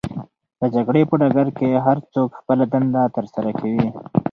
د جګړې په ډګر کې هرڅوک خپله دنده ترسره کوي.